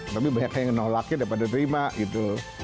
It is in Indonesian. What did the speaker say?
tapi banyak yang menolaknya daripada terima gitu